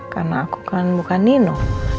karena aku kan bukan nino